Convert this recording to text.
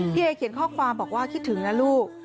เอเขียนข้อความบอกว่าคิดถึงนะลูก